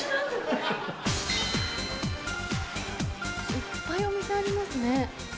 いっぱいお店ありますね。